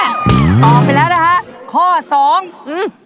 ตอบไปแล้วนะฮะข้อสองอืม